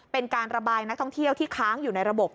เป็นการระบายนักท่องเที่ยวที่ค้างอยู่ในระบบ